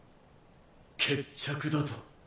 決着だと？